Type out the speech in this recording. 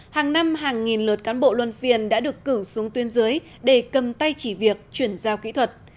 hàng năm hàng nghìn lượt cán bộ luân phiền đã được cử xuống tuyên dưới để cầm tay chỉ việc chuyển giao kỹ thuật